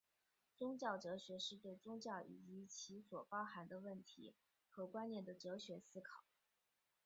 宗教哲学是对宗教以及其所包含的问题和观念的哲学思考。